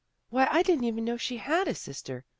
Why, I didn't even know she had a sister.